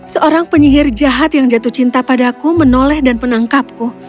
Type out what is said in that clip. seorang penyihir jahat yang jatuh cinta padaku menoleh dan menangkapku